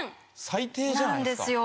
最低じゃないですか。